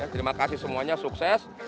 terima kasih semuanya sukses